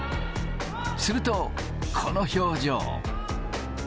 すると、この表情。